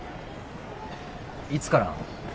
いつから？